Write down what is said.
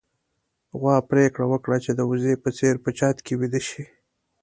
غوا پرېکړه وکړه چې د وزې په څېر په چت کې ويده شي.